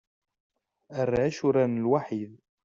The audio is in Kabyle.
Arrac uraren lwaḥid.